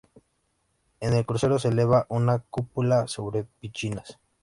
En el crucero se eleva una cúpula sobre pechinas.